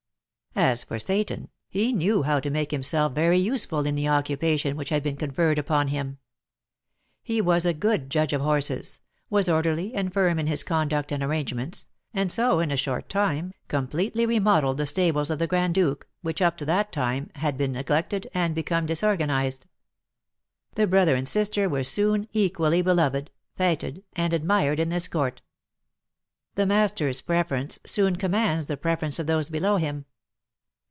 As for Seyton, he knew how to make himself very useful in the occupation which had been conferred upon him. He was a good judge of horses, was orderly and firm in his conduct and arrangements, and so, in a short time, completely remodelled the stables of the Grand Duke, which, up to that time, had been neglected, and become disorganised. The brother and sister were soon equally beloved, fêted, and admired in this court. The master's preference soon commands the preference of those below him.